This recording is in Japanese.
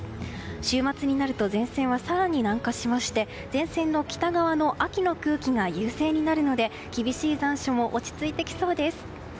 週末になると前線は更に南下しまして前線の北側の秋の空気が優勢になるので厳しい残暑も落ち着いてきそうです。